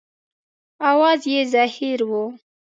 اواز یې زهیر و.